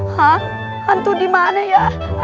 hantu di mana ya